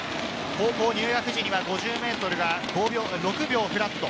高校入学時には５０ｍが６秒フラット。